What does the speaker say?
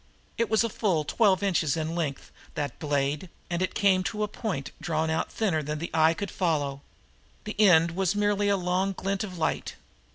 It was a full twelve inches in length, that blade, and it came to a point drawn out thinner than the eye could follow. The end was merely a long glint of light.